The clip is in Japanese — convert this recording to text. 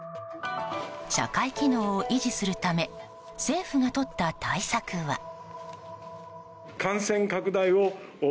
社会機能を維持するため政府がとった対策は。